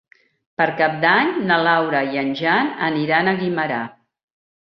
Per Cap d'Any na Laura i en Jan aniran a Guimerà.